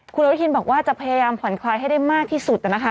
คุณอนุทินบอกว่าจะพยายามผ่อนคลายให้ได้มากที่สุดนะคะ